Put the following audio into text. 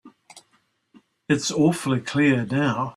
It's awfully clear now.